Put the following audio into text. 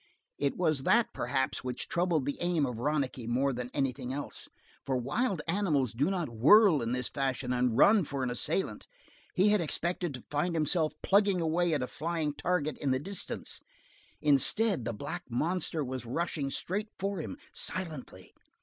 It was that, perhaps, which troubled the aim of Ronicky more than anything else, for wild animals do not whirl in this fashion and run for an assailant. He had expected to find himself plugging away at a flying target in the distance; instead, the black monster was rushing straight for him, silently.